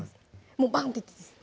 もうバンっていっていいです